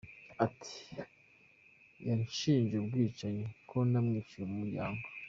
Ati “Yanshinje ubwicanyi ngo namwiciye umuryango.